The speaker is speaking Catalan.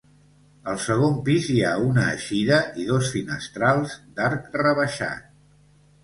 Al segon pis hi ha una eixida i dos finestrals d'arc rebaixat.